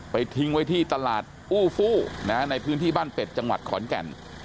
ทิ้งไว้ที่ตลาดอู้ฟู้ในพื้นที่บ้านเป็ดจังหวัดขอนแก่น